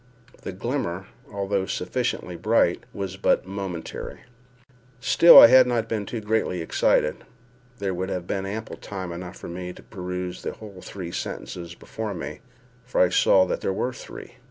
The glimmer, although sufficiently bright, was but momentary. Still, had I not been too greatly excited, there would have been ample time enough for me to peruse the whole three sentences before me—for I saw there were three.